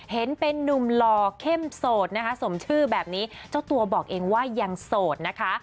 เห็นเป็นนุ่มหล่อเข้มโสดนะคะสมชื่อแบบนี้เจ้าตัวบอกเองว่ายังโสดนะคะ